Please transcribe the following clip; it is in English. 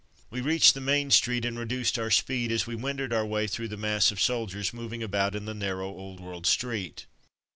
We reached the main street and reduced our speed as we wended our way through the mass of soldiers moving about in the nar row, old world street.